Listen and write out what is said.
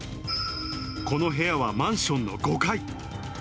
この部屋はマンションの５階。